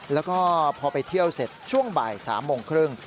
แล้วก็พอไปเที่ยวเสร็จช่วงบ่าย๓โมงครึ่ง